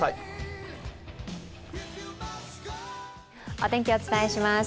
お天気、お伝えします。